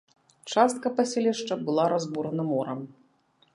Частка паселішча была разбурана морам.